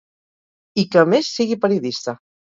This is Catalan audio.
I que a més sigui periodista.